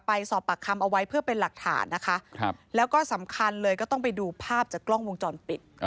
ไปสอบปากคำเอาไว้เพื่อเป็นหลักฐานนะคะแล้วก็สำคัญเลยก็ต้องไปดูภาพจากกล้องวงจรปิด